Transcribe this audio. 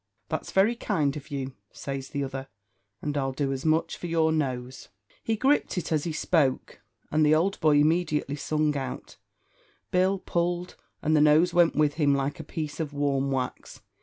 "That's very kind of you," says the other, "and I'll do as much for your nose." He gripped it as he spoke, and the old boy immediately sung out; Bill pulled, and the nose went with him like a piece of warm wax.